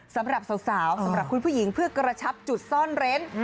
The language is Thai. สำหรับสาวสำหรับคุณผู้หญิงเพื่อกระชับจุดซ่อนเร้น